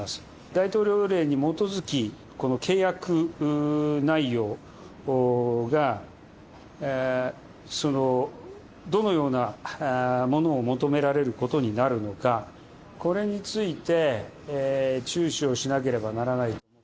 大統領令に基づき、この契約内容が、どのようなものを求められることになるのか、これについて注視をしなければならない。